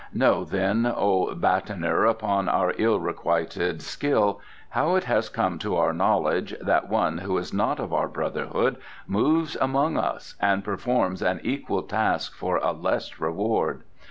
"Know then, O battener upon our ill requited skill, how it has come to our knowledge that one who is not of our Brotherhood moves among us and performs an equal task for a less reward.